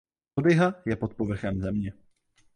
Lodyha je pod povrchem země.